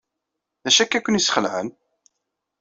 D acu akka ay ken-yesxelɛen?